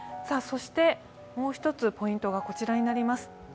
もう一つポイントがこちらになります。